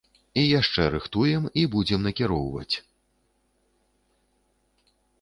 І яшчэ рыхтуем і будзем накіроўваць.